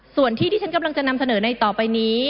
ส่วนที่ที่ฉันกำลังจะนำเสนอในต่อไปนี้